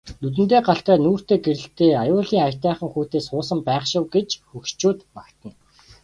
Нүдэндээ галтай нүүртээ гэрэлтэй аюулын аятайхан хүүтэй суусан байх шив гэж хөгшчүүд магтана.